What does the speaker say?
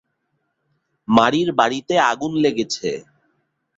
মারির বাড়িতে আগুন লেগেছে।